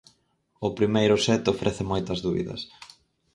O primeiro set ofrece moitas dúbidas.